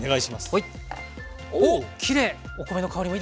はい。